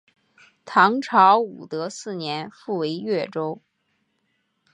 唐朝武德四年复为越州。